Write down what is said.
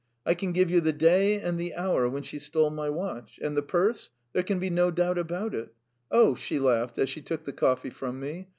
I can give you the day and the hour when she stole my watch. And the purse? There can be no doubt about it. Oh!" she laughed as she took the coffee from me.